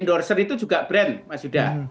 endorser itu juga brand mas yuda